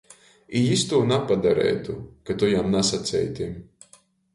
I jis tū napadareitu, ka tu jam nasaceitim.